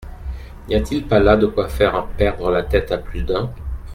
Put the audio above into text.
N’y a-t-il pas là de quoi faire perdre la tête à plus d’un ?